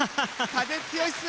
風強いっす。